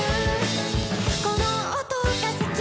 「この音が好き」